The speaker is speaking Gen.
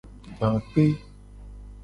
Gba kpe.